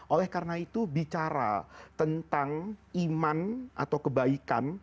oleh karena itu bicara tentang iman atau kebaikan